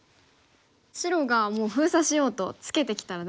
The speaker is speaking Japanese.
白がもう封鎖しようとツケてきたら。